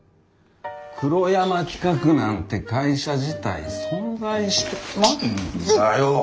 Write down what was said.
黒山企画なんて会社自体存在してないんだよ。